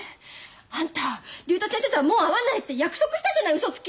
あんた竜太先生とはもう会わないって約束したじゃないうそつき！